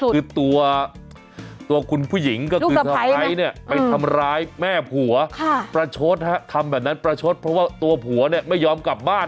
คือตัวคุณผู้หญิงก็คือสะพ้ายเนี่ยไปทำร้ายแม่ผัวประชดทำแบบนั้นประชดเพราะว่าตัวผัวเนี่ยไม่ยอมกลับบ้าน